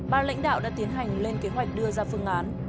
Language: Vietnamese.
ba lãnh đạo đã tiến hành lên kế hoạch đưa ra phương án